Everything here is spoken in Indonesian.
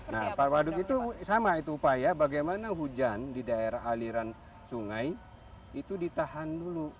nah para waduk itu sama itu upaya bagaimana hujan di daerah aliran sungai itu ditahan dulu